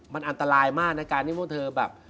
มันอันตรายมากในการที่พวกเธอแบบ